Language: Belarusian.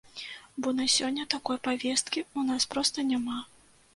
Бо на сёння такой павесткі ў нас проста няма.